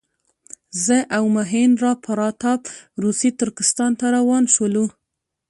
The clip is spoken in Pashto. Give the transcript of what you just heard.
زه او مهیندراپراتاپ روسي ترکستان ته روان شولو.